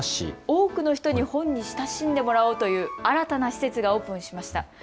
多くの人に本に親しんでもらおうという新たな施設がオープンしました。